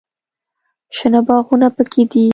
شنه باغونه پکښې دي.